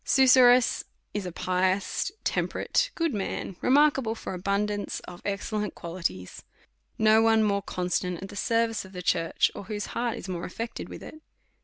Susurrus is a pious, temperate, good man, remark able for abundance of excellent qualities. No one more constant at the service of the church, or whose heart is more affected with it.